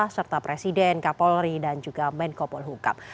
serta presiden kapolri dan juga menkopol hukam